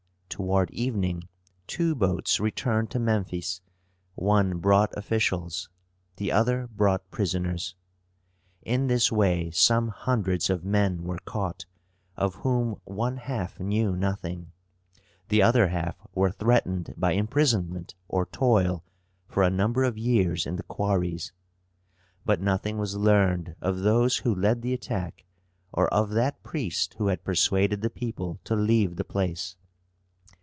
Toward evening two boats returned to Memphis: one brought officials, the other brought prisoners. In this way some hundreds of men were caught, of whom one half knew nothing, the other half were threatened by imprisonment or toil for a number of years in the quarries. But nothing was learned of those who led the attack, or of that priest who had persuaded the people to leave the place.